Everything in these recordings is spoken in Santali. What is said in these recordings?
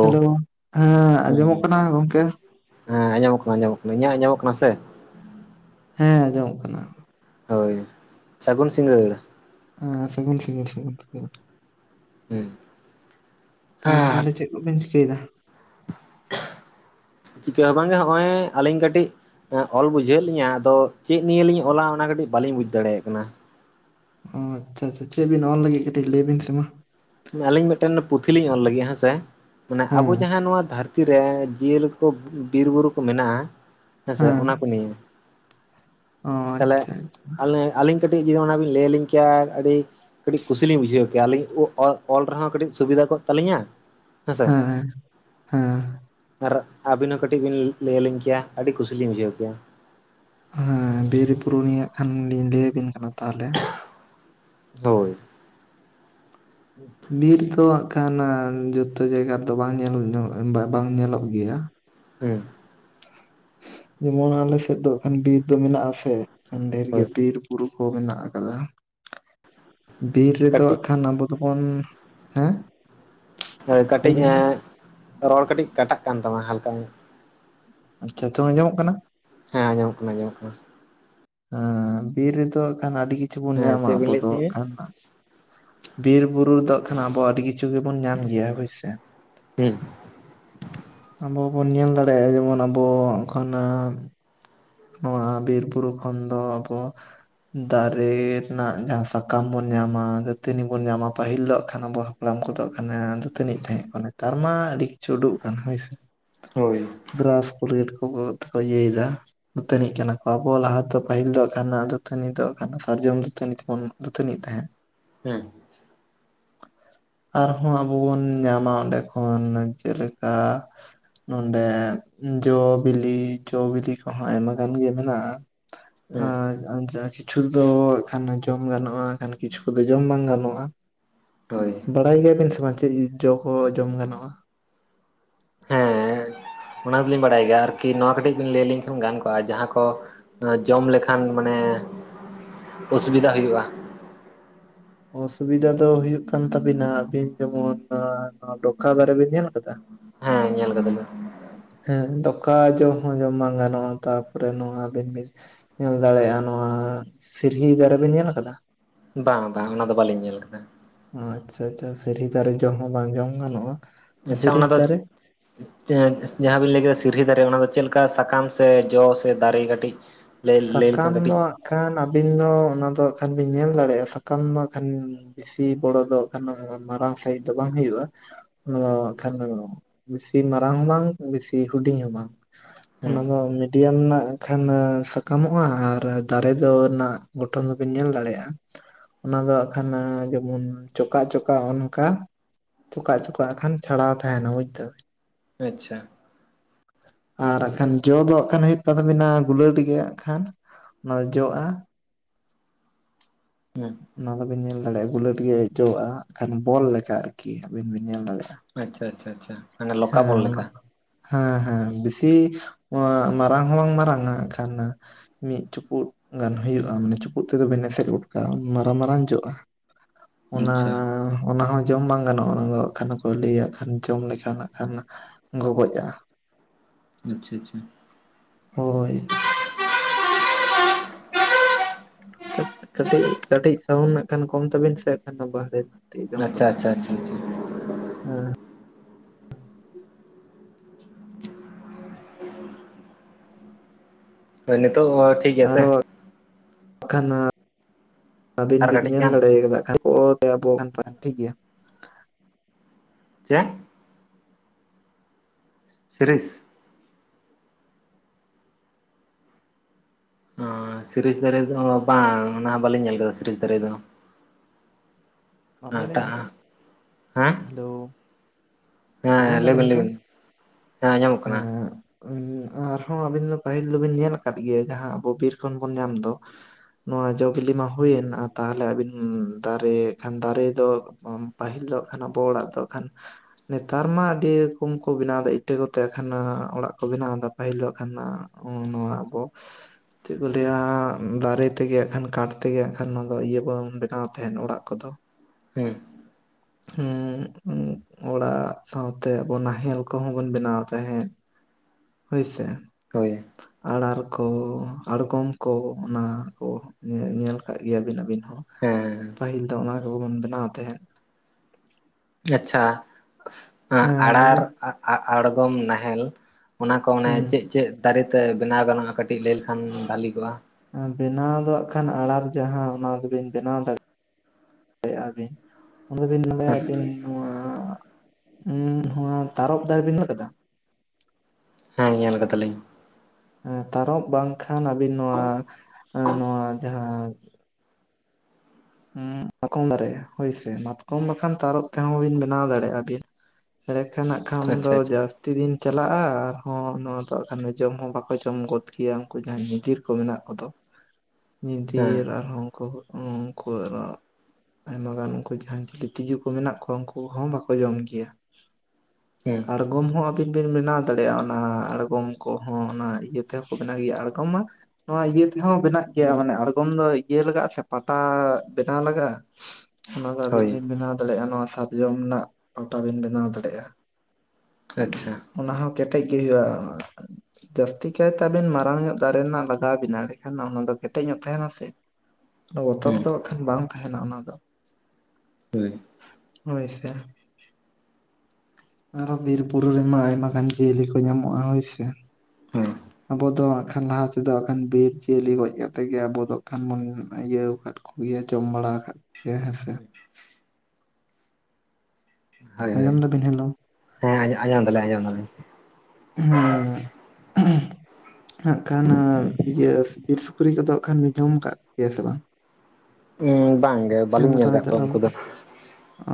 ᱦᱮᱞᱳ ᱦᱮᱸ ᱟᱸᱡᱚᱢᱚᱜ ᱠᱟᱱᱟ ᱜᱚᱝᱠᱮ? ᱦᱮᱸ ᱟᱸᱡᱚᱢᱚᱜ ᱠᱟᱱᱟ᱾ ᱟᱸᱡᱚᱢᱚᱜ ᱠᱟᱱᱟ ᱤᱧᱟᱹᱜ ᱟᱸᱡᱚᱢᱚᱜ ᱠᱟᱱᱟ ᱥᱮ? ᱦᱮᱸ ᱟᱸᱡᱚᱢᱚᱜ ᱠᱟᱱᱟ᱾ ᱦᱳᱭ ᱥᱟᱹᱜᱩᱱ ᱥᱤᱸᱜᱟᱹᱲ ᱦᱩᱸ ᱥᱟᱜᱩᱱ ᱥᱤᱸᱜᱟᱹᱲ᱾ ᱦᱩᱸ᱾ [unintelligible] ᱛᱟᱦᱚᱞᱮ ᱪᱮᱫ ᱠᱚ ᱵᱮᱮᱱ ᱪᱤᱠᱟᱹᱭ ᱮᱫᱟ? [inaudible] ᱪᱤᱠᱟᱹ ᱦᱚᱸ ᱵᱟᱝ ᱜᱮ ᱱᱚᱜᱼᱚᱭ ᱟᱹᱞᱤᱧ ᱠᱟᱹᱴᱤᱡ ᱚᱞ ᱵᱩᱡᱷᱟᱹᱣ ᱞᱤᱧᱟᱹ᱾ ᱟᱫᱚ ᱪᱮᱫ ᱱᱤᱭᱟᱹ ᱞᱤᱧ ᱚᱞᱟ ᱚᱱᱟ ᱠᱟᱹᱴᱤᱡ ᱵᱟᱞᱤᱧ ᱵᱩᱡ ᱫᱟᱲᱮᱭᱟᱜ ᱠᱟᱱᱟ? ᱚ ᱟᱪᱪᱷᱟ ᱟᱪᱪᱷᱟ, ᱪᱮᱫ ᱵᱤᱱ ᱚᱱ ᱞᱟᱹᱜᱤᱫ ᱠᱟᱹᱴᱤᱡ ᱞᱟᱹᱭ ᱵᱤᱱ ᱥᱮ ᱢᱟ? ᱟᱹᱞᱤᱧ ᱢᱤᱫᱴᱮᱱ ᱯᱩᱛᱷᱤ ᱞᱤᱧ ᱚᱞ ᱞᱟᱹᱜᱤᱫ ᱦᱮᱸᱥᱮ ᱢᱟᱱᱮ ᱟᱵᱚ ᱦᱮᱸ ᱡᱟᱦᱟᱸ ᱱᱚᱣᱟ ᱫᱷᱟᱹᱨᱛᱤ ᱵᱷᱤᱛᱤᱨ ᱨᱮ ᱡᱤᱭᱟᱹᱞᱤ ᱠᱚ ᱵᱤᱨ-ᱵᱩᱨᱩ ᱠᱚ ᱢᱮᱱᱟᱜᱼᱟ, ᱦᱮᱸᱥᱮ ᱦᱮᱸ ᱚᱱᱟ ᱠᱚ ᱱᱤᱭᱟᱹ᱾ ᱚ ᱛᱟᱦᱚᱞᱮ ᱟᱪᱪᱷᱟ ᱟᱪᱪᱷᱟ ᱟᱞᱮ ᱟᱹᱞᱤᱧ ᱠᱟᱹᱴᱤᱡ ᱡᱩᱫᱤ ᱚᱱᱟ ᱵᱤᱱ ᱞᱟᱹᱭᱟᱞᱤᱧ ᱠᱮᱭᱟ᱾ ᱟᱹᱰᱤ ᱠᱟᱹᱴᱤᱡ ᱠᱩᱥ ᱞᱤᱧ ᱵᱩᱡᱷᱟᱹᱣ ᱠᱮᱭᱟ ᱟᱹᱞᱤᱧ? ᱚᱞ ᱨᱮᱦᱚᱸ ᱠᱟᱹᱴᱤᱡ ᱥᱩᱵᱤᱫᱷᱟ ᱠᱚᱜ ᱛᱟᱞᱤᱧᱟ᱾ ᱦᱮᱸ ᱦᱮᱸ᱾ ᱟᱨ ᱟᱹᱵᱤᱱ ᱦᱚᱸ ᱠᱟᱹᱴᱤᱡ ᱵᱤᱱ ᱞᱟᱹᱭ ᱟᱹᱞᱤᱧ ᱠᱮᱭᱟ ᱟᱹᱰᱤ ᱠᱩᱥᱤ ᱞᱤᱧ ᱵᱩᱡᱷᱟᱹᱣ ᱠᱮᱭᱟ᱾ ᱦᱮᱸ ᱵᱤᱨ ᱵᱩᱨᱩᱱᱤᱭᱟᱜ ᱠᱷᱟᱱ ᱞᱤᱧ ᱞᱟᱹᱭ ᱟᱵᱤᱱ ᱠᱟᱱᱟ ᱛᱟᱦᱚᱞᱮ ᱦᱳᱭ᱾ ᱵᱤᱨ ᱫᱚ ᱦᱟᱸᱜ ᱠᱷᱟᱱ ᱡᱚᱛᱚ ᱡᱟᱭᱜᱟ ᱨᱮᱫᱚ ᱵᱟᱝ ᱟᱜ [unintelligible] ᱵᱟᱝ ᱧᱮᱞᱚᱜ ᱜᱮᱭᱟ᱾ ᱦᱩᱸ᱾ ᱡᱮᱢᱚᱱ ᱟᱞᱮ ᱥᱮᱫ ᱫᱚ ᱵᱤᱨ ᱫᱚ ᱢᱮᱱᱟᱜ ᱟᱥᱮ ᱰᱷᱮᱨ ᱜᱮ ᱦᱳᱭ ᱵᱤᱨ ᱵᱩᱨᱩ ᱠᱚ ᱢᱮᱱᱟᱜ ᱟᱠᱟᱫᱟ᱾ ᱵᱤᱨ ᱨᱮᱫᱚ ᱠᱟᱹᱴᱤᱡ ᱦᱟᱸᱜ ᱠᱷᱟᱱ ᱟᱵᱚ ᱫᱚ ᱵᱚᱱ ᱦᱮᱸ ᱞᱟᱹᱭ ᱠᱟᱹᱴᱤᱡ ᱵᱤᱱ ᱢᱟ ᱮᱸ ᱨᱚᱲ ᱠᱟᱹᱴᱤᱡ ᱠᱟᱴᱟᱜ ᱠᱟᱱ ᱛᱟᱢᱟ ᱦᱟᱞᱠᱟ ᱟᱪᱪᱷᱟ, ᱱᱤᱛᱚᱜ ᱟᱸᱡᱚᱢᱚᱜ ᱠᱟᱱᱟ? ᱦᱮᱸ ᱟᱸᱡᱚᱢᱜ ᱠᱟᱱᱟ ᱟᱸᱡᱚᱢᱚᱜ ᱠᱟᱱᱟ᱾ ᱦᱮᱸ ᱵᱤᱨ ᱨᱮᱫᱚ ᱠᱷᱟᱱ ᱟᱹᱰᱤ ᱠᱤᱪᱷᱩ ᱵᱚᱱ ᱦᱮᱸ ᱧᱟᱢᱟ ᱪᱮᱫ ᱵᱤᱱ ᱟᱵᱚ ᱞᱟᱹᱭᱮᱫ ᱫᱚ ᱛᱟᱦᱮᱸᱱᱟ ᱠᱷᱟᱱ ᱵᱤᱨᱼᱵᱩᱨᱩ ᱨᱮᱫᱚ ᱠᱷᱟᱱ ᱟᱵᱚ ᱟᱹᱰᱤ ᱠᱤᱪᱷᱩ ᱜᱮᱵᱚᱱ ᱧᱟᱢ ᱜᱮᱭᱟ ᱦᱳᱭᱥᱮ᱾ ᱦᱩᱸ ᱟᱵᱚ ᱵᱚᱱ ᱧᱮᱞ ᱫᱟᱲᱮᱭᱟᱜᱼᱟ ᱡᱮᱢᱚᱱ ᱟᱵᱚ ᱚᱱᱠᱟᱱᱟᱜ ᱱᱚᱣᱟ ᱵᱤᱨᱼᱵᱩᱨᱩ ᱠᱷᱚᱱ ᱫᱚ ᱟᱵᱚ ᱫᱟᱨᱮ ᱨᱮᱱᱟᱜ ᱡᱟᱦᱟᱸ ᱥᱟᱠᱟᱢ ᱵᱚᱱ ᱧᱟᱢᱟ ᱫᱟᱹᱛᱟᱹᱱᱤ ᱵᱚᱱ ᱧᱟᱢᱟ, ᱯᱟᱹᱦᱤᱞ ᱫᱚ ᱠᱷᱟᱱ ᱟᱵᱚ [unintelligible] ᱠᱚᱫᱚᱜ ᱠᱟᱱᱟ ᱟᱫᱚ ᱫᱟ. ᱛᱟᱹᱱᱤ ᱛᱟᱦᱮᱸ ᱠᱟᱱᱟ, ᱱᱮᱛᱟᱨ ᱢᱟ ᱟᱹᱰᱤ ᱠᱤᱪᱷᱩ ᱩᱰᱩᱠ ᱠᱟᱱᱟ ᱦᱳᱭᱥᱮ᱾ ᱦᱳᱭ ᱵᱟᱨᱟᱥ ᱠᱚᱞᱜᱮᱴ ᱠᱚᱠᱚ ᱛᱮᱠᱚ ᱤᱭᱟᱹᱭᱮᱫᱟ᱾ ᱫᱟᱹᱛᱟᱹᱱᱤ ᱠᱟᱱᱟ ᱠᱚ ᱟᱵᱚ ᱞᱟᱦᱟ ᱫᱚ ᱯᱟᱹᱦᱤᱞ ᱫᱚ ᱮᱠᱷᱟᱱᱼᱟᱜ ᱫᱟᱹᱛᱟᱹᱱᱤ ᱫᱚ ᱮᱠᱷᱟᱱ ᱥᱟᱨᱡᱚᱢ ᱫᱟᱹᱛᱟᱹᱱᱤ ᱛᱮᱵᱚᱱ ᱫᱟᱹᱛᱟᱹᱱᱤᱜ ᱛᱟᱦᱮᱸᱱ, ᱦᱩᱸ, [inaudible] ᱟᱨᱦᱚᱸ ᱟᱵᱚ ᱵᱚᱱ ᱧᱟᱢᱟ ᱚᱸᱰᱮ ᱠᱷᱚᱸᱻᱱ ᱡᱮᱞᱮᱠᱟ ᱱᱚᱸᱰᱮᱼᱜ ᱡᱚᱼᱵᱤᱞᱤ, ᱡᱚᱼᱵᱤᱞᱤ ᱠᱚ- ᱦᱚᱸ ᱟᱭᱢᱟ ᱜᱟᱱ ᱜᱮ ᱢᱮᱱᱟᱜᱼᱟ, ᱦᱮᱸ ᱮᱸ ᱟᱸ ᱡᱟ ᱠᱤᱪ- ᱪᱷᱩ ᱫᱚ ᱮᱠᱷᱟᱱ ᱡᱚᱢ ᱜᱟᱱᱚᱜᱼᱟ, ᱮᱠᱷᱟᱱ ᱠᱤᱪᱷᱩ ᱫᱚ ᱡᱚᱢ ᱵᱟᱝ ᱜᱟᱱᱚᱜᱼᱟ, ᱦᱳᱭ᱾ ᱵᱟᱲᱟᱭ ᱜᱮᱭᱟᱵᱤᱱ ᱥᱮ ᱵᱟᱝ ᱪᱮᱫ ᱡᱚ ᱠᱚ ᱡᱚᱢ ᱜᱟᱱᱚᱜᱼᱟ? ᱦᱮᱸ ᱚᱱᱟ ᱫᱚᱞᱤᱧ ᱵᱟᱰᱟᱭ ᱜᱮᱭᱟ ᱟᱨᱠᱤ ᱱᱚᱣᱟ ᱠᱟᱹᱴᱤᱡ ᱵᱤᱱ ᱞᱟᱹᱭ ᱟᱹᱞᱤᱧ ᱠᱷᱟᱱ ᱜᱟᱱ ᱠᱚᱜᱼᱟ ᱡᱟᱦᱟᱸ ᱠᱚ ᱟᱸ ᱡᱚᱢ ᱞᱮᱠᱷᱟᱱ ᱢᱟᱱᱮ ᱚ ᱥᱩᱵᱤᱫᱟ ᱦᱩᱭᱩᱜᱼᱟ, ᱚᱥᱩᱵᱤᱫᱟ ᱫᱚ ᱦᱩᱭᱩᱜ ᱠᱟᱱ ᱛᱟᱹᱵᱤᱱᱟ ᱟᱹᱵᱤᱱ ᱡᱮᱢᱚᱱ ᱟᱸ ᱱᱚᱣᱟ ᱰᱚᱠᱟ ᱫᱟᱨᱮ ᱵᱤᱱ ᱧᱮᱞ ᱟᱠ- ᱦᱮᱸ ᱧᱮᱞ ᱟᱠᱟᱫᱟ ᱞᱤᱧ᱾ ᱦᱮᱸ ᱰᱚᱠᱟ ᱡᱚ ᱦᱚᱸ ᱡᱚᱢ ᱵᱟᱝ ᱜᱟᱱᱚᱜᱼᱟ ᱛᱟᱯᱚᱨᱮ ᱱᱚᱣᱟ ᱟᱹᱵᱤᱱ ᱵᱤᱱ ᱧᱮᱞ ᱫᱟᱲᱮᱭᱟᱜᱼᱟ ᱱᱚᱣᱟ ᱥᱤᱨᱦᱤ ᱫᱟᱨᱮ ᱵᱤᱱ ᱧᱮᱞ ᱟᱠᱟᱫᱟ? ᱵᱟᱝᱼᱟ ᱵᱟᱝᱼᱟ ᱚᱱᱟ ᱫᱚ ᱵᱟᱹᱞᱤᱧ ᱧᱮᱞ ᱟᱠᱟᱫᱟ, ᱚ ᱟᱪᱪᱷᱟ ᱟᱪᱪᱷᱟ ᱥᱤᱨᱦᱤ ᱫᱟᱨᱮ ᱡᱚᱢ ᱦᱚᱸ ᱵᱟᱝ ᱡᱚᱢ ᱜᱟᱱᱚᱜᱼᱟ᱾ ᱟᱪᱪᱷᱟ ᱥᱤᱨᱤᱥ ᱚᱱᱟ ᱫᱚ ᱪᱮᱜ ᱫᱟᱨᱮ ᱛᱮ [unintelligible] ᱡᱟᱦᱟᱸ ᱵᱤᱱ ᱞᱟᱹᱭ ᱠᱮᱫᱟ ᱥᱤᱨᱦᱤ ᱫᱟᱨᱮ ᱚᱱᱟ ᱫᱚ ᱪᱮᱫ ᱞᱮᱠᱟ ᱥᱟᱠᱟᱢ ᱥᱮ, ᱡᱚ ᱥᱮ ᱫᱟᱨᱮ ᱠᱟᱹᱴᱤᱡ ᱞᱟᱹᱭ [unintelligible] ᱞᱟᱹᱭ ᱞᱮᱠᱷᱟᱱ ᱥᱟᱠᱟᱢ ᱫᱚ ᱠᱟᱹᱴᱤᱡ ᱣᱟᱸᱜ ᱠᱷᱟᱱ ᱟᱹᱵᱤᱱ ᱫᱚ ᱚᱱᱟ ᱫᱚ ᱮᱠᱷᱟᱱ ᱵᱤᱱ ᱧᱮᱞ ᱫᱟᱲᱮᱭᱟᱜ-ᱟ, ᱥᱟᱠᱟᱢ ᱫᱚ ᱤᱠᱷᱟᱹᱱ ᱵᱤᱥᱤ ᱵᱚᱲᱚ ᱫᱚ ᱮᱠᱷᱟᱱᱟᱼᱟᱸ ᱢᱟᱨᱟᱝ ᱥᱟᱹᱭᱤᱰ ᱫᱚ ᱵᱟᱝ ᱦᱩᱭᱩᱜᱼᱟ, ᱱᱚᱣᱟ ᱮᱠᱷᱟᱱᱚ ᱵᱤᱥᱤ ᱢᱟᱨᱟᱝ ᱦᱚᱸ ᱵᱟᱝ ᱵᱤᱥᱤ ᱦᱩᱰᱤᱝ ᱦᱚᱸ ᱵᱟᱝ, ᱦᱩᱸ ᱚᱱᱟ ᱫᱚ ᱢᱤᱰᱤᱭᱟᱢ ᱢᱮᱱᱟᱜ ᱠᱷᱟᱱ ᱥᱟ- ᱠᱟᱢᱼᱚᱜᱼᱟ ᱟᱨ ᱫᱟᱨᱮ ᱫᱚ ᱨᱮᱱᱟᱜ ᱵᱚᱴᱚᱱ ᱫᱚᱵᱤᱱ ᱧᱮᱞ ᱫᱟᱲᱮᱭᱟᱜ-ᱟ, ᱚᱱᱟ ᱫᱚ ᱮᱠᱷᱟᱱ ᱟᱸ ᱡᱮᱢᱚᱱ ᱪᱚᱠᱟᱜ ᱪᱚᱠᱟᱜ ᱚᱱᱼᱚᱸᱠᱟ ᱪᱚᱠᱟᱜ ᱪᱚᱠᱟᱜ ᱠᱷᱟᱱ ᱪᱷᱟᱲᱟᱣ ᱛᱟᱦᱮᱸᱱᱟ ᱵᱩᱡᱽ ᱮᱫᱟ ᱵᱤᱱ, ᱟᱪᱪᱷᱟ, ᱟᱨ ᱮᱸᱠᱷᱟᱱ ᱡᱚ ᱫᱚ ᱮᱸᱠᱷᱟᱱ ᱦᱩᱭᱩᱜ ᱠᱟᱱ ᱛᱟᱹᱵᱤᱱᱟ ᱜᱩᱞᱟᱹᱴ ᱜᱮᱭᱟ ᱮᱸᱠᱷᱟᱱ ᱚᱱᱟ ᱫᱚ ᱡᱚᱜ-ᱟ, ᱦᱩᱸ ᱚᱱᱟ ᱫᱚᱵᱤᱱ ᱧᱮᱞ ᱫᱟᱲᱮᱼᱟ ᱜᱩᱞᱟᱹᱴ ᱜᱮ ᱡᱚᱜᱼᱟ ᱟᱨ ᱵᱚᱞ ᱞᱮᱠᱟ ᱟᱨᱠᱤ ᱟᱹᱵᱤᱱ ᱵᱤᱱ ᱧᱮᱞ ᱫᱟᱲᱮᱜᱼᱟ᱾ ᱟᱪᱪᱷᱟ ᱟᱪᱪᱷᱟ ᱟᱪᱪᱷᱟ, ᱢᱟᱱᱮ ᱦᱮᱸ ᱞᱚᱠᱟᱯᱚᱞ ᱚᱱᱟ ᱞᱮᱠᱟ ᱫᱚ, ᱦᱮᱸ ᱦᱮᱸ ᱵᱮᱥᱤ ᱱᱚᱶᱟ ᱢᱟᱨᱟᱝ ᱦᱚᱸ ᱵᱟᱝ ᱢᱟᱨᱟᱝᱼᱟ ᱮᱸᱠᱷᱟᱱ ᱢᱤᱫ ᱪᱩᱯᱩᱫ ᱜᱟᱱ ᱦᱩᱭᱩᱜ-ᱟ ᱢᱟᱱᱮ ᱪᱩᱯᱩᱫ ᱛᱮᱫᱚ ᱵᱮᱱ ᱮᱥᱮᱫ ᱜᱚᱫ ᱠᱟᱜ-ᱟ ᱩᱱ ᱢᱟᱨᱟᱝ ᱢᱟᱨᱟᱝ ᱡᱚᱜ-ᱟ᱾ [unintelligible] ᱟᱪᱪᱷᱟ ᱚᱱᱟᱻᱦᱚᱸ ᱚᱱᱟ ᱦᱚᱸ ᱡᱚᱢ ᱵᱟᱝ ᱜᱟᱱᱚᱜ-ᱟ, ᱚᱱᱟ ᱫᱚ ᱮᱸᱠᱷᱟᱱ ᱠᱚ ᱞᱟᱹᱭᱟ ᱠᱷᱟᱱ ᱡᱚᱢ ᱞᱮᱠᱷᱟᱱ ᱦᱟᱸᱜ ᱠᱷᱟᱱ ᱜᱚᱜᱚᱡ-ᱟ᱾ ᱟᱪᱪᱷᱟ ᱟᱪᱪᱷᱟ, ᱦᱳ ᱦᱚᱭ᱾ ᱠᱟᱹᱫ ᱠᱟᱹᱴᱤᱡ ᱠᱟᱹᱴᱤᱡ ᱛᱮᱦᱚᱸ ᱩᱱᱟᱹᱜ ᱠᱷᱟᱱ ᱠᱚᱢ ᱛᱟᱹᱵᱤᱱ ᱥᱮ ᱵᱟᱦᱨᱮ ᱨᱮᱱᱟᱜ ᱛᱤ ᱡᱚᱢ ᱠᱚᱱ ᱟᱪᱪᱷᱟ ᱟᱪᱪᱷᱟ ᱦᱟᱺᱰᱤᱜ, ᱟᱪᱪᱷᱟ ᱟᱪᱪᱷᱟ ᱦᱮᱸ [unintelligible] ᱮᱜ ᱱᱤᱛᱚᱜ ᱚ ᱟᱹᱰᱤᱼᱼ ᱟᱨᱚ ᱠᱷᱟᱱ ᱱᱟᱜ ᱟᱹᱵᱤᱱ ᱟᱨ ᱵᱤᱱ ᱠᱟᱹᱴᱤᱡ ᱧᱮᱞ ᱜᱟᱱ ᱫᱟᱲᱮ ᱟᱠᱟᱫᱟ ᱠᱷᱟᱱ ᱚᱛᱼᱼ ᱟᱵᱚ [inaudible] ᱴᱷᱤᱠ ᱜᱮᱭᱟ ᱪᱮᱫ ᱥᱨᱤᱥ [unintelligible] ᱥᱤᱨᱤᱥ ᱫᱟᱨᱮ ᱫᱚ ᱵᱟᱝ ᱚᱱᱟ ᱦᱚᱸ ᱵᱟᱹᱞᱤᱧ ᱧᱮᱞ ᱠᱟᱫᱟ ᱥᱤᱨᱤᱥ ᱫᱟᱨᱮ ᱫᱚᱼᱼ ᱢᱟ ᱵᱮᱱ ᱞᱟᱹᱭᱫᱟ ᱦᱮᱸ ᱦᱮᱞᱳ ᱟᱸᱡᱚᱢ ᱦᱮᱸ ᱫᱟᱵᱤᱱ ᱞᱟᱹᱭᱵᱤᱱ ᱱᱤᱛᱚᱝ ᱞᱟᱹᱭᱵᱤᱱ ᱦᱮᱸ ᱟᱸᱡᱚᱢᱚᱜ ᱠᱟᱱᱟ ᱦᱮᱸᱼᱼ ᱟᱨ ᱦᱚᱸ ᱟᱹᱵᱤᱱ ᱫᱚ ᱯᱟᱹᱦᱤᱞ ᱫᱚᱵᱤᱱ ᱧᱮᱞ ᱠᱟᱫ ᱜᱮᱭᱟ ᱡᱟᱦᱟᱸ ᱟᱵᱚ ᱵᱤᱨ ᱠᱷᱚᱱ ᱵᱚᱱ ᱧᱟᱢ ᱫᱚᱼᱼ ᱱᱚᱣᱟ ᱡᱚ ᱵᱤᱞᱤ ᱢᱟ ᱦᱩᱭ ᱱᱟ ᱛᱟᱦᱚᱞᱮ ᱟᱹᱵᱤᱱ ᱫᱟᱨᱮᱼᱼ ᱮᱱᱠᱷᱟᱱ ᱫᱟᱨᱮ ᱫᱚ ᱯᱟᱹᱦᱤᱞ ᱫᱚ ᱱᱟᱜ ᱠᱷᱟᱱ ᱟᱵᱚ ᱚᱲᱟᱜ ᱫᱚ ᱱᱟᱜ ᱠᱷᱟᱱ ᱱᱮᱛᱟᱨ ᱢᱟ ᱟᱹᱰᱤ ᱨᱚᱠᱚᱢ ᱠᱚ ᱵᱮᱱᱟᱣ ᱫᱟ ᱤᱴᱟᱹ ᱠᱚᱛᱮ ᱱᱟᱜ ᱠᱷᱟᱱ ᱚᱲᱟᱜ ᱠᱚ ᱵᱮᱱᱟᱣ ᱫᱟ ᱯᱟᱹᱦᱤᱞ ᱫᱚ ᱱᱟᱜ ᱠᱷᱟᱱ ᱱᱚᱣᱟ ᱟᱵᱚᱼᱼ ᱪᱮᱫ ᱠᱚ ᱞᱟᱹᱭᱟ ᱫᱟᱨᱮ ᱛᱮᱜᱮ ᱱᱟᱜ ᱠᱷᱟᱱ ᱠᱟᱴ ᱛᱮ ᱜᱮ ᱱᱟᱜ ᱠᱷᱟᱱ ᱱᱚᱣᱟ ᱫᱚ ᱤᱭᱟᱹ ᱵᱚᱱ ᱵᱮᱱᱟᱣ ᱛᱟᱦᱮᱱ ᱚᱲᱟᱜᱼᱼ ᱠᱚ ᱫᱚᱼᱼ ᱦᱳᱢ ᱦᱳ‌ ᱳᱢ ᱚᱲᱟᱜ ᱥᱟᱶ ᱛᱮ ᱟᱵᱚ ᱱᱟᱦᱮᱞ ᱠᱚ ᱦᱚᱸ ᱵᱚᱱ ᱵᱮᱱᱟᱣ ᱛᱟᱦᱮᱸᱫ ᱦᱳᱭ ᱥᱮ ᱦᱳᱭ ᱟᱬᱟᱨ ᱠᱚ ᱟᱬᱜᱚᱢ ᱠᱚ ᱚᱱᱟ ᱠᱚᱼᱼ ᱧᱮᱞ ᱧᱮᱞ ᱠᱟᱜ ᱜᱮᱭᱟ ᱵᱤᱱ ᱟᱹᱵᱤᱱ ᱦᱚᱸᱼᱼ ᱦᱮᱸ ᱟᱫᱚ ᱚᱱᱟ ᱠᱚᱵᱚᱱ ᱵᱮᱱᱟᱣ ᱛᱟᱦᱮᱸᱫ ᱟᱪᱪᱷᱟ [unintelligible] ᱦᱮᱸ ᱟᱲᱟᱨ ᱞᱟᱹᱭᱵᱤᱱ ᱟᱼᱟ ᱟᱬᱜᱚᱢ ᱱᱟᱦᱮᱞᱼᱼ ᱚᱱᱟ ᱠᱚ ᱚᱱᱮ ᱪᱮᱫ ᱦᱮᱸ ᱪᱮᱫ ᱫᱟᱨᱮ ᱛᱮ ᱵᱮᱱᱟᱣ ᱜᱟᱱᱚᱜ-ᱟ ᱠᱟᱹᱴᱤᱡ ᱞᱟᱹᱭ ᱞᱮᱠᱷᱟᱱ ᱵᱟᱹᱞᱤ ᱠᱚᱜ-ᱟ ᱵᱮᱱᱟᱣ ᱫᱚ ᱦᱟᱜ ᱠᱷᱟᱱ ᱟᱲᱟᱨ ᱡᱟᱦᱟᱸ ᱚᱱᱟ ᱫᱚ ᱵᱤᱱ ᱵᱮᱱᱟᱣ ᱫᱟᱲᱮᱜᱼᱼ ᱫᱟᱲᱮᱭᱟᱜᱼᱟ ᱵᱤᱱ ᱚᱱᱰᱮ ᱵᱤᱱ ᱞᱟᱹᱭᱟ ᱦᱮᱸ ᱟᱹᱵᱤᱱ ᱱᱚᱣᱟ ᱱᱚᱣᱟ ᱛᱟᱨᱚᱵ ᱫᱟᱨᱮ ᱵᱤᱱ ᱧᱮᱞ ᱠᱟᱫᱟ ᱦᱮᱸ ᱧᱮᱞ ᱠᱟᱫᱟ ᱞᱤᱧ ᱮ ᱛᱟᱨᱚᱵ ᱵᱟᱝ ᱠᱷᱟᱱ ᱟᱹᱵᱤᱱ ᱱᱚᱣᱟ ᱱᱚᱣᱟ ᱡᱟᱦᱟᱸᱼᱼ ᱦᱮᱸ ᱢᱟᱛᱠᱚᱢ ᱫᱟᱨᱮ ᱦᱳᱭ ᱥᱮ ᱢᱟᱛᱠᱚᱢ ᱵᱟᱠᱷᱟᱱ ᱛᱟᱨᱚᱵ ᱛᱮ ᱦᱚᱸ ᱵᱤᱱ ᱵᱮᱱᱟᱣ ᱫᱟᱲᱮᱭᱟᱜᱼᱟ ᱵᱤᱱ ᱨᱮ ᱠᱷᱟᱱ ᱟᱜ ᱠᱷᱟᱱ ᱩᱱ ᱫᱚ ᱟᱪᱪᱷᱟ ᱟᱪᱪᱷᱟ ᱡᱟᱥᱼᱼ ᱛᱤ ᱵᱤᱱ ᱪᱟᱞᱟᱜᱼᱟ ᱟᱨᱦᱚᱸ ᱱᱚᱣᱟ ᱫᱚ ᱠᱷᱟᱱ ᱦᱟᱸᱜ ᱡᱚᱢ ᱦᱚᱸ ᱵᱟᱠᱚ ᱡᱚᱢ ᱜᱚᱫ ᱠᱮᱭᱟ ᱩᱱᱠᱩ ᱡᱟᱦᱟᱸᱭ ᱧᱤᱫᱤᱨ ᱠᱚ ᱢᱮᱱᱟᱜ ᱠᱚ ᱫᱚ ᱧᱤᱫᱤᱨ ᱦᱮᱸ ᱟᱨ ᱦᱚᱸ ᱩᱱᱠᱩ ᱩᱱᱠᱩ ᱟᱨᱚᱼᱼ ᱟᱭᱢᱟ ᱜᱟᱱ ᱩᱱᱠᱩ ᱡᱟᱦᱟᱸᱭ ᱪᱤᱞᱤ ᱛᱤᱡᱩ ᱠᱚ ᱢᱮᱱᱟᱜ ᱠᱚᱣᱟ ᱩᱱᱠᱩ ᱠᱚ ᱦᱚᱸ ᱵᱟᱠᱚ ᱡᱚᱢ ᱠᱮᱭᱟ ᱦᱮᱸ ᱟᱬᱜᱚᱢ ᱦᱚᱸ ᱟᱹᱵᱤᱱ ᱵᱤᱱ ᱵᱮᱱᱟᱣ ᱫᱟᱲᱮᱭᱟᱜᱼᱟ ᱚᱱᱟ ᱟᱬᱜᱚᱢ ᱠᱚ ᱦᱚᱸ ᱚᱱᱟ ᱤᱭᱟᱹ ᱛᱮ ᱦᱚᱸ ᱠᱚ ᱵᱮᱱᱟᱣ ᱜᱮᱭᱟ ᱟᱬᱜᱚᱢ ᱢᱟ ᱱᱚᱣᱟ ᱤᱭᱟᱹ ᱛᱮ ᱦᱚᱸ ᱵᱮᱱᱟᱜ ᱜᱮᱭᱟ ᱢᱟᱱᱮ ᱟᱬᱜᱚᱢ ᱫᱚ ᱤᱭᱟᱹ ᱞᱟᱜᱟᱜᱼᱟ ᱥᱮ ᱯᱟᱴᱟ ᱵᱮᱱᱟᱣ ᱞᱟᱜᱟᱜᱼᱟ ᱚᱱᱟ ᱫᱚ ᱟᱹᱵᱤᱱ ᱦᱳᱭ ᱵᱤᱱ ᱵᱮᱱᱟᱣ ᱫᱟᱲᱮᱭᱟᱜᱼᱟ ᱱᱚᱣᱟ ᱥᱟᱨᱡᱚᱢ ᱨᱮᱱᱟᱜ ᱯᱟᱴᱟ ᱵᱤᱱ ᱵᱮᱱᱟᱣ ᱫᱟᱲᱮᱭᱟᱜᱼᱟ ᱟᱪᱪᱷᱟ ᱚᱱᱟ ᱦᱚᱸ ᱠᱮᱴᱮᱡ ᱜᱮ ᱦᱩᱭᱩᱜᱼᱟ ᱡᱟᱹᱥᱛᱤ ᱠᱟᱭ ᱛᱮ ᱟᱵᱮᱱ ᱢᱟᱨᱟᱝ ᱧᱚᱜ ᱫᱟᱨᱮ ᱨᱮᱱᱟᱜ ᱞᱟᱜᱟᱣ ᱵᱤᱱᱟ ᱮᱸᱰᱮ ᱠᱷᱟᱱ ᱚᱱᱟ ᱫᱚ ᱠᱮᱴᱮᱡ ᱧᱚᱜ ᱛᱟᱦᱮᱱᱟ ᱥᱮ, [unintelligible] ᱵᱚᱛᱚᱨ ᱦᱮᱸ ᱫᱚ ᱦᱟᱜ ᱠᱷᱟᱱ ᱵᱟᱝ ᱛᱟᱦᱮᱱᱟ ᱚᱱᱟ ᱫᱚ ᱦᱳᱭ ᱦᱳᱭ ᱥᱮ, ᱟᱨᱚ ᱵᱤᱨ ᱵᱩᱨᱩ ᱨᱮᱢᱟ ᱟᱭᱢᱟ ᱜᱟᱱ ᱡᱤᱭᱟᱹᱞᱤ ᱠᱚ ᱧᱟᱢᱚᱜᱼᱟ ᱦᱳᱭ ᱥᱮ ᱦᱳᱭ ᱟᱵᱚ ᱫᱚ ᱦᱟᱜ ᱠᱷᱟᱱ ᱞᱟᱦᱟᱛᱮ ᱛᱮᱫᱚ ᱦᱜ ᱠᱷᱟᱱ ᱵᱤᱨ ᱡᱤᱭᱟᱹᱞᱤ ᱜᱚᱡ ᱠᱟᱛᱮ ᱜᱮ ᱟᱵᱚ ᱫᱚ ᱠᱷᱟᱱ ᱵᱚᱱ ᱤᱭᱟᱹᱣ ᱟᱠᱟᱫᱟ ᱩᱜᱮ ᱡᱚᱢ ᱵᱟᱲᱟ ᱟᱠᱟᱫ ᱜᱮᱭᱟ᱾ [inaudible] ᱦᱳᱭ ᱦᱳᱭ ᱟᱸᱡᱚᱢ ᱫᱟᱵᱤᱱ ᱦᱮᱞᱳ ᱦᱮᱸ ᱟᱸᱡᱚᱢ ᱫᱟᱞᱤᱧ ᱟᱸᱡᱚᱢ ᱫᱟᱞᱤᱧ ᱦᱮᱸ᱾ ᱦᱟᱸᱜ ᱠᱷᱟᱱ ᱤᱭᱟᱹ ᱵᱤᱨ ᱥᱩᱠᱨᱤ ᱠᱚᱫᱚ ᱦᱟᱸᱜ ᱠᱷᱟᱱ ᱡᱚᱢ ᱠᱟᱜ ᱠᱚ ᱜᱮᱭᱟ ᱥᱮ ᱵᱟᱝ? ᱵᱟᱝ ᱜᱮ ᱵᱟᱞᱤᱧ ᱥᱮᱸᱫᱽᱨᱟ ᱧᱮᱞ ᱠᱟᱫ ᱠᱚᱣᱟ ᱪᱟᱞᱟᱣ ᱩᱱᱠᱩ ᱫᱚ᱾ ᱚ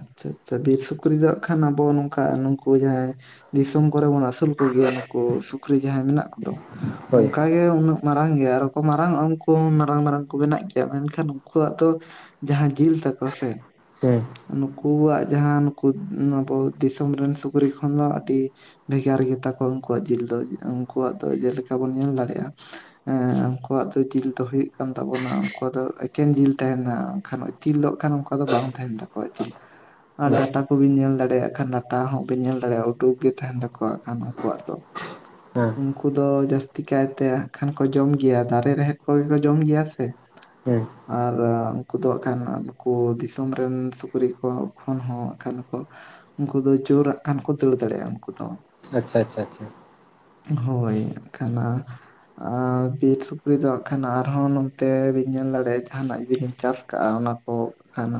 ᱟᱪᱪᱷᱟ ᱟᱪᱪᱷᱟ, ᱵᱤᱨ ᱥᱩᱠᱨᱤ ᱫᱚ ᱦᱟᱜ ᱠᱷᱟᱱ ᱟᱵᱚ ᱱᱚᱝᱠᱟ ᱱᱩᱠᱩ ᱡᱟᱦᱟᱸᱭ ᱫᱤᱥᱚᱢ ᱠᱚᱨᱮ ᱵᱚᱱ ᱟᱹᱥᱩᱞ ᱠᱚᱜᱮᱭᱟ᱾ ᱱᱩᱠᱩ ᱥᱩᱠᱨᱤ ᱡᱟᱦᱟᱸᱭ ᱢᱮᱱᱟᱜ ᱠᱚᱫᱚ᱾ ᱦᱳᱭ ᱚᱱᱠ ᱜᱮ ᱩᱱᱟᱹᱜ ᱢᱟᱨᱟᱝ ᱜᱮᱭᱟ ᱟᱨᱠᱚ ᱢᱟᱨᱟᱝᱚᱜᱼᱟ ᱩᱱᱠᱩ ᱦᱚᱸ ᱢᱟᱨᱟᱝ ᱢᱟᱨᱟᱝ ᱠᱚ ᱵᱮᱱᱟᱜ ᱜᱮᱭᱟ, ᱢᱮᱱᱠᱷᱟᱱ ᱩᱱᱠᱩᱣᱟᱜ ᱫᱚ ᱡᱟᱦᱟᱸ ᱡᱤᱞ ᱛᱟᱠᱚ ᱥᱮ ᱦᱩᱸ᱾ ᱱᱩᱠᱩᱣᱟᱜ ᱡᱟᱦᱟᱸ ᱱᱩᱠᱩ ᱟᱵᱚ ᱫᱤᱥᱚᱢ ᱨᱮᱱ ᱥᱩᱠᱨᱤ ᱠᱷᱚᱱ ᱫᱚ ᱟᱹᱰᱤ ᱵᱷᱮᱜᱟᱨ ᱜᱮ ᱛᱟᱠᱚᱣᱟ, ᱩᱱᱠᱩᱣᱟᱜ ᱡᱤᱞ ᱫᱚ᱾ ᱩᱱᱠᱩᱣᱟᱜ ᱫᱚ ᱡᱮᱞᱮᱠᱟ ᱵᱚᱱ ᱧᱮᱞ ᱫᱟᱲᱮᱭᱟᱜᱼᱟ ᱮ ᱩᱱᱠᱩᱣᱟᱜ ᱫᱚ ᱡᱤᱞ ᱫᱚ ᱦᱩᱭᱩᱜ ᱠᱟᱱ ᱛᱟᱵᱚᱱᱟ ᱩᱱᱠᱩᱣᱟᱜ ᱫᱚ ᱮᱠᱮᱱ ᱡᱤᱞ ᱛᱟᱦᱮᱱᱟ ᱠᱷᱟᱱ ᱤᱛᱤᱞ ᱫᱚ ᱦᱟᱜ ᱠᱷᱟᱱ ᱚᱱᱠᱟ ᱫᱚ ᱵᱟᱝ ᱛᱟᱦᱮᱱ ᱛᱟᱠᱚᱣᱟ ᱤᱛᱤᱞ ᱟᱨ ᱰᱟᱴᱟ ᱠᱚᱵᱤᱱ ᱧᱮᱞ ᱫᱟᱲᱮᱭᱟᱜ ᱠᱷᱟᱱ ᱰᱟᱴᱟ ᱦᱚᱸ ᱵᱤᱱ ᱧᱮᱞ ᱫᱟᱲᱮᱭᱟᱜᱼᱟ᱾ ᱩᱰᱩᱠ ᱜᱮ ᱛᱟᱦᱮᱱ ᱛᱟᱠᱚ ᱠᱷᱟᱱ ᱩᱱᱠᱩᱣᱟᱜ ᱫᱚ᱾ ᱦᱮᱸ᱾ ᱩᱱᱠᱩ ᱫᱚ ᱡᱟᱹᱥᱛᱤ ᱠᱟᱭᱛᱮ ᱦᱟᱸᱜ ᱠᱷᱟᱱ ᱠᱚ ᱡᱚᱢ ᱜᱮᱭᱟ᱾ ᱫᱟᱨᱮ ᱨᱮᱦᱮᱫ ᱠᱚᱜᱮ ᱠᱚ ᱡᱚᱢ ᱜᱮᱭᱟ ᱥᱮ ᱦᱮᱸ ᱟᱨ ᱩᱱᱠᱩ ᱫᱚ ᱦᱟᱜ ᱠᱷᱟᱱ ᱱᱩᱠᱩ ᱫᱤᱥᱚᱢ ᱨᱮᱱ ᱥᱩᱠᱨᱤ ᱠᱚ ᱠᱷᱚᱱ ᱦᱚᱸ ᱦᱟᱸᱜ ᱠᱷᱟᱱ ᱠᱚ ᱩᱱᱠᱩ ᱫᱚ ᱡᱳᱨ ᱦᱟᱜ ᱠᱷᱟᱱ ᱠᱚ ᱫᱟᱹᱲ ᱫᱟᱲᱮᱭᱟᱜᱼᱟ, ᱩᱱᱠᱩ ᱫᱚ᱾ ᱟᱪᱪᱷᱟ, ᱟᱪᱪᱷᱟ, ᱟᱪᱪᱷᱟ᱾ ᱦᱳᱭ ᱦᱟᱜ ᱠᱷᱟᱱ ᱟᱨ ᱵᱤᱨ ᱥᱩᱠᱨᱤ ᱫᱚ ᱦᱟᱸᱜ ᱠᱷᱟᱱ ᱟᱨᱦᱚᱸ ᱱᱚᱛᱮ ᱵᱤᱱ ᱧᱮᱞ ᱫᱟᱲᱮᱭᱟᱜᱼᱟ, ᱡᱟᱦᱟᱱᱟᱜ ᱡᱩᱫᱤ ᱵᱤᱱ ᱪᱟᱥ ᱠᱟᱜᱼᱟ᱾ ᱚᱱᱟ ᱠᱚ ᱠᱟᱱᱟ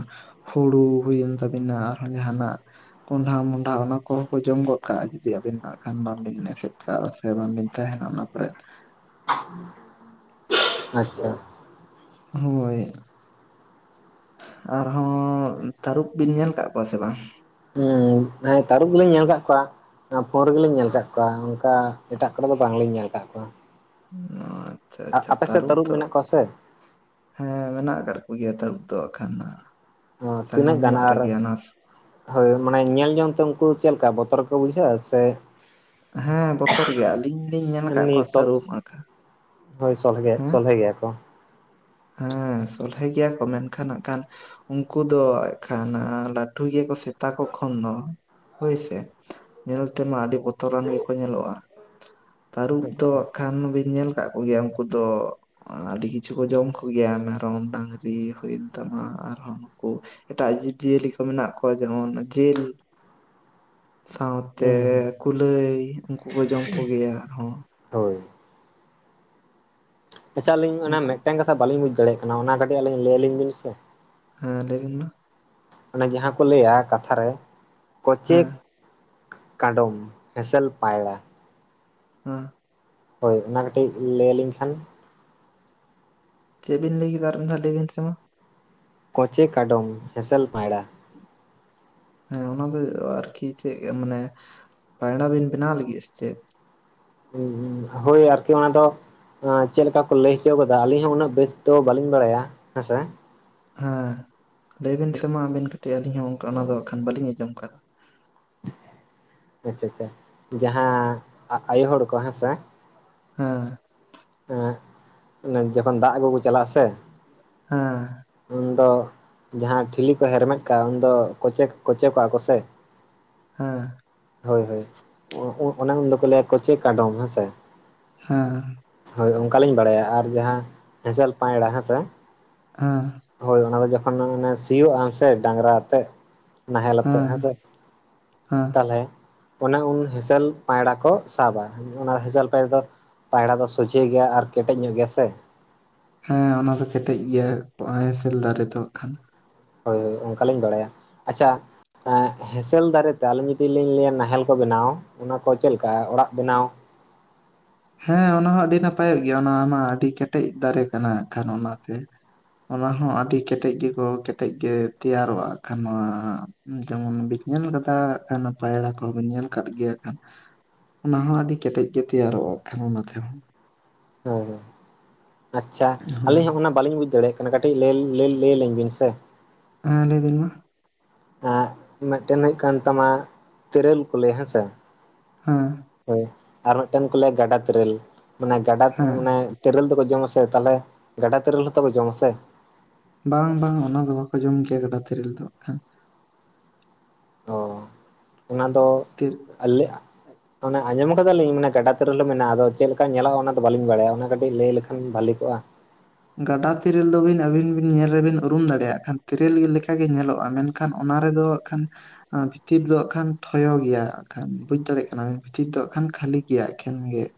ᱦᱩᱲᱩ ᱦᱩᱭᱮᱱ ᱛᱟᱵᱤᱱᱟ ᱟᱨᱦᱚᱸ ᱡᱟᱦᱟᱱᱟᱜ ᱠᱚᱸᱰᱷᱟ ᱢᱚᱰᱷᱟ ᱚᱱᱟ ᱠᱚᱦᱚᱸ ᱠᱚ ᱡᱚᱢ ᱜᱚᱫ ᱠᱟᱜᱼᱟ᱾ ᱡᱩᱫᱤ ᱟᱹᱵᱤᱱ ᱦᱟᱜ ᱠᱷᱟᱱ ᱵᱟᱝ ᱵᱤᱱ ᱮᱥᱮᱫ ᱠᱟᱜ-ᱟ ᱥᱮ ᱵᱟᱝᱵᱤᱱ ᱛᱟᱦᱮᱱᱟ᱾ ᱚᱱᱟ ᱠᱚᱨᱮ ᱟᱪᱪᱷᱟ᱾ ᱦᱳᱭ ᱾ ᱟᱨᱦᱚᱸ ᱛᱟᱹᱨᱩᱵ ᱵᱤᱱ ᱧᱮᱞ ᱟᱠᱟᱫ ᱠᱚᱣᱟ ᱥᱮ ᱵᱟᱝ? ᱦᱮᱸ, ᱛᱟᱹᱨᱩᱯ ᱜᱮᱞᱤᱧ ᱧᱮᱞ ᱟᱠᱟᱫ ᱠᱚᱣᱟ ᱾ ᱚᱱᱟ ᱯᱷᱳᱱ ᱨᱮ ᱜᱮᱞᱤᱧ ᱧᱮᱞ ᱟᱠᱟᱫ ᱠᱚᱣᱟ, ᱚᱱᱠᱟ ᱮᱴᱟᱜ ᱠᱚᱨᱮ ᱫᱚ ᱵᱟᱝᱞᱤᱧ ᱧᱮᱞ ᱟᱠᱟᱫ ᱠᱚᱣᱟ ᱾ ᱟᱨ [unintelligible] ᱟ ᱟ ᱟᱯᱮ ᱥᱮᱫ ᱛᱟᱹᱨᱩᱵ ᱢᱮᱱᱟᱜ ᱠᱚᱣᱟ ᱥᱮ? ᱦᱮᱸ, ᱢᱮᱱᱟᱜ ᱟᱠᱟᱫ ᱠᱚ ᱜᱮᱭᱟ ᱛᱟᱹᱨᱩᱯ ᱫᱚ ᱮᱠᱷᱟᱱ ᱾ ᱛᱤᱱᱟᱹᱜ ᱜᱟᱱ ᱟᱨ ᱦᱳᱭ, ᱢᱟᱱᱮ ᱧᱮᱞ ᱡᱚᱝ ᱛᱮ ᱩᱱᱠᱩ ᱪᱮᱫ ᱞᱮᱠᱟ ᱵᱚᱛᱚᱨ ᱠᱚ ᱵᱩᱡᱷᱟᱹᱜᱼᱟ ᱥᱮ ᱦᱮᱸ, ᱵᱚᱛᱚᱨ ᱜᱮᱭᱟ ᱟᱹᱞᱤᱧ ᱞᱤᱧ ᱧᱮᱞ ᱟᱠᱟᱫ ᱮᱢᱱᱤ ᱠᱚᱣᱟ ᱥᱚᱜ ᱛᱟᱹᱨᱩᱵᱽ ᱟᱸᱠᱷᱟᱱ ᱾ ᱦᱳᱭ ᱥᱚᱞᱦᱮ ᱜᱮ ᱥᱚᱞᱦᱮ ᱜᱮᱭᱟ ᱠᱚ ᱾ ᱦᱮᱸ, ᱥᱚᱞᱦᱮ ᱜᱮᱭᱟ ᱠᱚ ᱢᱮᱱᱠᱷᱟᱱ ᱦᱟᱸᱜ ᱠᱷᱟᱱ ᱩᱱᱠᱩ ᱫᱚ ᱮᱜᱠᱷᱟᱱ ᱞᱟᱹᱴᱩ ᱜᱮᱠᱚ ᱥᱮᱛᱟ ᱠᱚ ᱠᱷᱚᱱ ᱫᱚ ᱾ ᱦᱳᱭ ᱥᱮ, ᱧᱮᱞ ᱛᱮᱢᱟ ᱟᱹᱰᱤ ᱵᱚᱛᱚᱨᱟᱱ ᱜᱮᱠᱚ ᱧᱮᱞᱚᱜᱼᱟ ᱾ ᱛᱟᱹᱨᱩᱵ ᱫᱚ ᱟᱪᱪᱷᱟ ᱦᱟᱸᱜ ᱠᱷᱟᱱ ᱵᱤᱱ ᱧᱮᱞ ᱠᱟᱜ ᱠᱚ ᱜᱮᱭᱟ, ᱩᱱᱠᱩ ᱫᱚ ᱟᱹᱰᱤ ᱠᱤᱪᱷᱩ ᱠᱚ ᱡᱚᱢ ᱠᱚᱣᱟ᱾ ᱠᱩ ᱜᱮᱭᱟ ᱢᱮᱨᱚᱢ, ᱰᱟᱹᱟᱝᱨᱤ ᱦᱩᱭᱮᱱ ᱛᱟᱢᱟ ᱟᱨᱦᱚᱸ ᱱᱩᱠᱩ ᱮᱴᱟᱜ ᱡᱤᱵᱼᱡᱤᱭᱟᱹᱞᱤ ᱠᱚ ᱢᱮᱱᱟᱜ ᱠᱚᱣᱟ ᱡᱮᱢᱚᱱ ᱡᱮᱞ ᱥᱟᱶᱛᱮ ᱦᱩᱸ ᱠᱩᱞᱟᱹᱭ ᱩᱱᱠᱩ ᱠᱚ ᱡᱚᱢ ᱠᱚ ᱜᱮᱭᱟ ᱟᱨᱦᱚᱸ᱾ ᱦᱳᱭ ᱾ ᱟᱪᱪᱷᱟ, ᱟᱹᱞᱤᱧ ᱚᱱᱟ ᱩᱱᱠᱩ ᱢᱤᱫᱴᱟᱝ ᱠᱟᱛᱷᱟ ᱵᱟᱹᱞᱤᱧ ᱵᱩᱡ ᱫᱟᱲᱮᱭᱟᱜ ᱠᱟᱱᱟ ᱾ ᱚᱱᱟ ᱠᱟᱹᱴᱤᱡ ᱟᱹᱞᱤᱧ ᱞᱟᱹᱭ ᱟᱹᱞᱤᱧ ᱵᱤᱱ ᱥᱮ ᱾ ᱦᱮᱸ, ᱞᱟᱹᱭᱵᱤᱱ ᱢᱟ ᱾ ᱚᱱᱮ ᱡᱟᱦᱟᱸ ᱠᱚ ᱞᱟᱹᱭᱟ ᱠᱟᱛᱷᱟ ᱨᱮ, ᱠᱚ ᱪᱮᱫ ᱦᱮᱸ ᱠᱟᱰᱚᱢ, ᱦᱮᱸᱥᱮᱞ ᱯᱟᱭᱲᱟ ᱾ ᱦᱮᱸ ᱾ ᱦᱳᱭ, ᱚᱱᱟ ᱠᱟᱹᱴᱤᱡ ᱞᱟᱹᱭ ᱟᱹᱞᱤᱧ ᱠᱷᱟᱱ ᱪᱮᱫ ᱵᱤᱱ ᱞᱟᱹᱭ ᱠᱮᱫᱟ ᱟᱨ ᱢᱤᱫ ᱫᱷᱟ ᱞᱟᱹᱭᱵᱤᱱ ᱥᱮ ᱢᱟ? ᱠᱚᱪᱮ ᱠᱟᱰᱚᱢ ᱦᱮᱸᱥᱮᱞ ᱯᱟᱭᱲᱟ ᱾ [inaudible] ᱦᱮᱸ, ᱚᱱᱟ ᱫᱚ ᱟᱨᱠᱤ ᱪᱮᱫ ᱢᱟᱱᱮ ᱯᱟᱸᱭᱲᱟ ᱵᱤᱱ ᱵᱮᱱᱟᱣ ᱞᱟᱹᱜᱤᱫᱟ ᱥᱮ ᱪᱮᱫ? ᱦᱩᱸ ᱦᱩᱸ ᱦᱳᱭ, ᱟᱨᱠᱤ ᱚᱱᱟ ᱫᱚ ᱮᱸ ᱪᱮᱫ ᱞᱮᱠᱟ ᱠᱚ ᱞᱟᱹᱭ ᱦᱚᱪᱚᱣ ᱠᱟᱫᱟ, ᱟᱹᱞᱤᱧ ᱦᱚᱸ ᱩᱱᱟᱹᱜ ᱵᱮᱥ ᱫᱚ ᱵᱟᱹᱞᱤᱧ ᱵᱟᱲᱟᱭᱟ ᱾ ᱦᱮᱸᱥᱮ? ᱦᱮᱸ, ᱞᱟᱹᱭᱵᱤᱱ ᱥᱮ ᱢᱟ ᱟᱵᱮᱱ ᱠᱟᱹᱴᱤᱡ, ᱟᱹᱞᱤᱧ ᱦᱚᱸ ᱚᱱᱠᱟ ᱚᱱᱟ ᱫᱚ ᱠᱷᱟᱱ ᱵᱟᱹᱞᱤᱧ ᱟᱸᱡᱚᱢ ᱠᱟᱫᱟ ᱾ ᱟᱪᱪᱷᱟ ᱪᱷᱟ, ᱡᱟᱦᱟᱸ ᱟᱜ ᱟᱭᱳ ᱦᱚᱲ ᱠᱚ ᱦᱮᱸᱥᱮ? ᱦᱮᱸ ᱾ ᱦᱮᱸ ᱚᱱᱮ ᱡᱚᱠᱷᱚᱱ ᱫᱟᱜ ᱟᱜᱩ ᱠᱚ ᱪᱟᱞᱟᱜᱼᱟ ᱥᱮ ᱦᱮᱸ ᱾ ᱩᱱ ᱫᱚ ᱡᱟᱦᱟᱸ ᱴᱷᱤᱞᱤ ᱠᱚ ᱦᱮᱨᱢᱮᱫ ᱠᱟᱜᱼᱟ ᱩᱱᱫᱚ ᱠᱚᱪᱮ ᱠᱚᱪᱮ ᱠᱚᱜᱼᱟ ᱠᱚᱥᱮ? ᱦᱮᱸ ᱾ ᱦᱳᱭ ᱦᱳᱭ, ᱚ ᱚᱱᱟ ᱫᱚᱠᱚ ᱞᱟᱹᱭᱟ ᱠᱚᱪᱮ ᱠᱟᱰᱚᱢ ᱦᱮᱸᱥᱮ ᱾ ᱦᱮᱸ ᱾ ᱦᱳᱭ, ᱚᱝᱠᱟ ᱞᱤᱧ ᱵᱟᱲᱟᱭᱟ ᱟᱨ ᱡᱟᱦᱟᱸ ᱦᱮᱸᱥᱮᱞ ᱯᱟᱸᱭᱲᱟ ᱦᱮᱸᱥᱮ? ᱦᱮᱸ ᱾ ᱦᱳᱭ, ᱚᱱᱟ ᱫᱚ ᱡᱚᱠᱷᱚᱱ ᱚᱱᱟ ᱥᱤᱭᱳᱜ ᱟᱢ ᱥᱮ ᱰᱟᱝᱨᱟ ᱟᱛᱮᱜ, ᱱᱟᱦᱮᱞ ᱟᱛᱮᱜ ᱦᱮᱸ ᱦᱮᱸᱥᱮ ᱦᱮᱸ ᱦᱮᱸ ᱛᱟᱦᱞᱮ ᱚᱱᱮ ᱩᱱ ᱦᱮᱸᱥᱮᱞ ᱯᱟᱸᱭᱲᱟ ᱠᱚ ᱥᱟᱵᱟ, ᱚᱱᱟ ᱦᱮᱸᱥᱮᱞ ᱯᱟᱸᱭᱲᱟ ᱫᱚ ᱯᱟᱸᱭᱲᱟ ᱫᱚ ᱥᱚᱡᱷᱮ ᱜᱮᱭᱟ ᱟᱨ ᱠᱮᱴᱮᱡ ᱧᱚᱜ ᱜᱮᱭᱟ ᱥᱮ? ᱦᱮᱸ, ᱚᱱᱟ ᱫᱚ ᱠᱮᱴᱮᱡ ᱜᱮᱭᱟ, ᱦᱮᱸᱥᱮᱞ ᱫᱟᱨᱮ ᱫᱚ ᱦᱟᱸᱜ ᱠᱷᱟᱱ᱾ ᱦᱳᱭ ᱦᱳᱭ, ᱚᱱᱠᱟᱞᱤᱧ ᱵᱟᱲᱟᱭᱟ᱾ ᱟᱪᱪᱷᱟ ᱮᱸᱜ ᱦᱮᱸᱥᱮᱞ ᱫᱟᱨᱮ ᱛᱮ ᱟᱹᱞᱤᱧ ᱡᱩᱫᱤ ᱞᱤᱧ ᱞᱟᱹᱭᱟ ᱱᱟᱦᱮᱞ ᱠᱚ ᱵᱮᱱᱟᱣ ᱾ ᱚᱱᱟ ᱠᱚ ᱪᱮᱫ ᱞᱮᱠᱟ ᱚᱲᱟᱜ ᱵᱮᱱᱟᱣ ᱦᱮᱸ ᱚᱱᱟ ᱦᱚᱸ ᱟᱹᱰᱤ ᱱᱟᱯᱟᱭᱚᱜ ᱜᱮᱭᱟ ᱚᱱᱟ ᱢᱟ ᱟᱹᱰᱤ ᱠᱮᱴᱮᱡ ᱫᱟᱨᱮ ᱠᱟᱱᱟ ᱦᱟᱸᱜ ᱠᱷᱟᱱ ᱚᱱᱟᱛᱮ ᱚᱱᱟ ᱦᱚᱸ ᱟᱹᱰᱤ ᱠᱮᱴᱮᱡ ᱜᱮᱠᱚ ᱠᱮᱴᱮᱡ ᱜᱮ ᱛᱮᱭᱟᱨᱚᱜ-ᱟ ᱦᱟᱸᱜ ᱠᱷᱟᱱ ᱱᱚᱣᱟ ᱡᱮᱢᱚᱱ ᱵᱤᱱ ᱧᱮᱞ ᱠᱟᱫᱟ ᱦᱟᱸᱜ ᱠᱷᱟᱱ ᱯᱟᱭᱲᱟ ᱠᱚᱦᱚᱸ ᱵᱤᱱ ᱧᱮᱞ ᱠᱟᱫ ᱜᱮᱭᱟ ᱠᱷᱟᱱ ᱚᱱᱟ ᱦᱚᱸ ᱟᱹᱰᱤ ᱠᱮᱴᱮᱡ ᱜᱮ ᱛᱮᱭᱟᱨᱚᱜ-ᱟ ᱠᱟᱱᱟ ᱚᱱᱟ ᱛᱮᱦᱚᱸ᱾ ᱦᱳᱭ ᱦᱳᱭ, ᱟᱪᱪᱷᱟ ᱟᱹᱞᱤᱧ ᱦᱮᱸ ᱦᱚᱸ ᱚᱱᱟ ᱵᱟᱞᱤᱧ ᱵᱩᱡ ᱫᱟᱲᱮᱭᱟᱜ ᱠᱟᱱᱟ ᱠᱟᱹᱴᱤᱡ ᱞᱟᱹᱭ ᱞᱟᱹᱭ ᱞᱟᱹᱭ ᱟᱹᱞᱤᱧ ᱵᱤᱱ ᱥᱮ᱾ ᱦᱮᱸ ᱞᱟᱹᱭ ᱵᱤᱱ ᱢᱟ᱾ ᱮᱸᱜ ᱢᱤᱫᱴᱮᱱ ᱦᱩᱭᱩᱜ ᱠᱟᱱ ᱛᱟᱢᱟ ᱛᱮᱨᱟᱹᱞ ᱠᱚ ᱞᱟᱹᱭ ᱦᱮᱸᱥᱮ ᱦᱮᱸ᱾ ᱦᱳᱭ, ᱟᱨ ᱢᱤᱫᱴᱮᱱ ᱠᱚ ᱞᱟᱹᱭᱟ ᱜᱟᱰᱟ ᱛᱮᱨᱮᱹᱞ ᱢᱟᱱᱮ ᱜᱟᱰᱟ ᱦᱮᱸ ᱢᱟᱱᱮ ᱛᱮᱨᱮᱞ ᱫᱚᱠᱚ, ᱡᱚᱢᱟ ᱥᱮ? ᱛᱟᱦᱚᱞᱮ, ᱜᱟᱰᱟ ᱛᱮᱨᱮᱞ ᱦᱚᱸᱛᱚ, ᱠᱚ, ᱡᱚᱢᱟ ᱥᱮ ᱾ ᱵᱟᱝ ᱵᱟᱝ, ᱚᱱᱟ ᱫᱚ, ᱵᱟᱠᱚ ᱡᱚᱢ ᱜᱮᱭᱟ ᱾ ᱜᱟᱰᱟ ᱛᱷᱤᱨᱤᱞ ᱫᱚ, ᱦᱟᱸᱜ ᱾ ᱚᱻ ᱚᱱᱟ ᱫᱚ, ᱛᱤᱲ ᱟᱞᱮᱻᱟ ᱾ ᱢᱟᱱᱮ, ᱟᱸᱡᱚᱢ ᱟᱠᱟᱫ ᱟᱞᱤᱧ, ᱢᱟᱱᱮ ᱜᱟᱰᱟ ᱛᱮᱨᱮᱞ ᱦᱚᱸ, ᱢᱮᱱᱟᱜ-ᱟ ᱾ ᱟᱫᱚ ᱪᱮᱫᱞᱮᱠᱟ ᱧᱮᱞᱚᱜ-ᱟ ᱾ ᱚᱱᱟ ᱫᱚ ᱵᱟᱹᱞᱤᱧ ᱵᱟᱲᱟᱭᱟ ᱾ ᱚᱱᱟ ᱠᱟᱹᱴᱤᱡ ᱞᱟᱹᱭ ᱞᱮᱠᱷᱟᱱ ᱵᱷᱟᱞᱤ ᱠᱚᱜᱼᱟ ᱾ ᱜᱟᱰᱟ ᱛᱤᱨᱮᱞ ᱫᱚ ᱵᱤᱱ, ᱟᱹᱵᱤᱱ ᱵᱤᱱ ᱧᱮᱞ ᱨᱮ ᱵᱤᱱ ᱩᱨᱩᱢ ᱫᱟᱲᱮᱭᱟᱜ ᱾ ᱠᱷᱟᱱ ᱛᱤᱨᱮᱞ ᱞᱮᱠᱟ ᱜᱮ ᱧᱮᱞᱚᱜ-ᱟ ᱾ ᱢᱮᱱ, ᱠᱷᱟᱱ, ᱚᱱᱟ ᱨᱮᱫᱚ ᱦᱟᱸᱜ ᱠᱷᱟᱱ, ᱵᱷᱤᱛᱤᱨ ᱫᱚ ᱦᱟᱸᱜ, ᱠᱷᱟᱱ ᱯᱷᱚᱭᱚ ᱜᱮᱭᱟ ᱾ ᱠᱷᱟᱱ, ᱵᱩᱡᱽ ᱫᱟᱲᱮᱭᱟᱜ ᱠᱟᱱᱟ ᱵᱤᱱ, ᱵᱷᱤᱛᱤᱨ ᱫᱚ, ᱠᱷᱟᱱ ᱠᱷᱟᱹᱞᱤ ᱜᱮᱭᱟ ᱾ ᱮᱠᱷᱮᱱ ᱜᱮ ᱾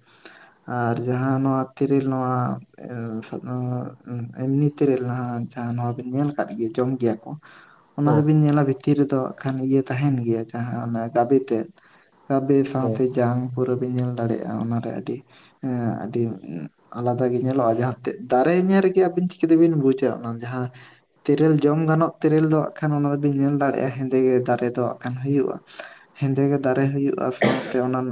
ᱟᱨ, ᱡᱟᱦᱟᱸ ᱱᱚᱣᱟ ᱛᱤᱨᱤᱞ, ᱱᱚᱣᱟ, ᱮᱸᱻ ᱟᱻᱮᱢᱱᱤ ᱛᱤᱨᱮᱞ ᱦᱟᱸ, ᱟᱸᱻ ᱡᱟᱦᱟᱸ, ᱱᱚᱣᱟ ᱵᱤᱱ ᱧᱮᱞ ᱟᱠᱟᱫ ᱜᱮᱭᱟ ᱾ ᱡᱚᱢ ᱜᱮᱭᱟ ᱠᱚ ᱾ ᱦᱮᱸ ᱚᱱᱟ ᱫᱚᱵᱤᱱ, ᱧᱮᱞᱟ ᱵᱷᱤᱛᱤᱨ ᱨᱮᱫᱚ, ᱠᱷᱟᱱ ᱤᱭᱟᱹ ᱛᱟᱦᱮᱱ ᱜᱮᱭᱟ, ᱡᱟᱦᱟᱸ ᱚᱱᱟ ᱜᱟᱵᱮ ᱛᱮᱫ, ᱜᱟᱵᱮ ᱦᱮᱸ ᱥᱟᱶᱛᱮ ᱡᱟᱝ ᱯᱩᱨᱟᱹ ᱵᱤᱱ, ᱧᱮᱞ ᱫᱟᱲᱮᱭᱟᱜ-ᱟ ᱾ ᱚᱱᱟ ᱨᱮ, ᱟᱹᱰᱤ, ᱟᱹᱰᱤ ᱟᱞᱟᱫᱟ ᱜᱮ, ᱧᱮᱞᱚᱜᱼᱟ, ᱡᱟᱦᱟᱸ ᱫᱟᱨᱮ ᱧᱮᱞ ᱨᱮᱜᱮ, ᱟᱹᱵᱤᱱ ᱪᱤᱠᱟᱹ ᱛᱮᱵᱤᱱ, ᱵᱩᱡᱟ ᱾ ᱚᱱᱟ, ᱡᱟᱦᱟᱸ ᱛᱮᱨᱮᱞ ᱡᱚᱢ ᱜᱟᱱᱚᱜ ᱛᱮᱨᱮᱞ ᱫᱚ, ᱟᱜ ᱠᱷᱟᱱ, ᱚᱱᱟ ᱫᱚᱵᱤᱱ, ᱧᱮᱞ ᱫᱟᱲᱮᱭᱟᱜ-ᱟ ᱦᱮᱸᱫᱮ ᱜᱮ, ᱫᱟᱨᱮ ᱫᱚ, ᱟᱜ ᱠᱷᱟᱱ ᱦᱩᱭᱩᱜ-ᱟ ᱾ ᱦᱮᱸᱫᱮ ᱜᱮ, ᱫᱟᱨᱮ ᱦᱩᱭᱩᱜ-ᱟ ᱾ ᱥᱟᱶᱛᱮ ᱚᱱᱟ,